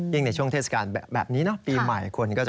ในช่วงเทศกาลแบบนี้เนอะปีใหม่คนก็จะ